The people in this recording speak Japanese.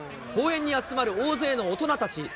公園に集まる大勢の大人たち。